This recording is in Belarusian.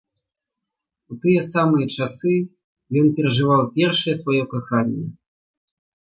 У тыя самыя часы ён перажываў першае сваё каханне.